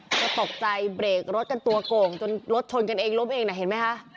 ก็ตกใจเบรกรถกันตัวโก่งจนรถชนกันเองล้มเองน่ะเห็นไหมคะ